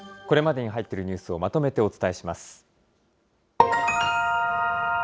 これまでに入っているニュースをまとめてお伝えします。